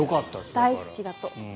大好きだと。